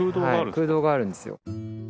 はい空洞があるんですよ。